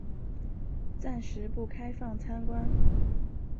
暂时不开放参观